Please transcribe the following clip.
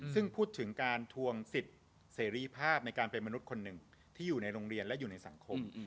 ซึ่งพูดถึงการทวงสิทธิ์เสรีภาพในการเป็นมนุษย์คนหนึ่งที่อยู่ในโรงเรียนและอยู่ในสังคม